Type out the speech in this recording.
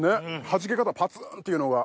はじけ方パツンっていうのが。